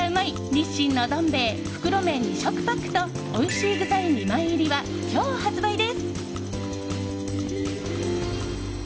日清のどん兵衛袋麺２食パックとおいしい具材２枚入は今日発売です。